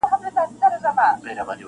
• چي تر پامه دي جهان جانان جانان سي..